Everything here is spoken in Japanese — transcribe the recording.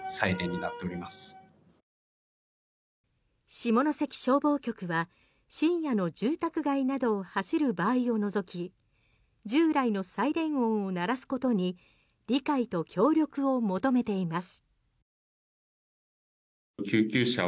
下関消防局は深夜の住宅街などを走る場合を除き従来のサイレンを鳴らすことに理解と協力を求めています。